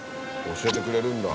教えてくれるんだ。